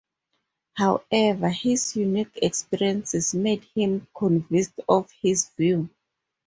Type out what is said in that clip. However, his unique experiences made him convinced of his view.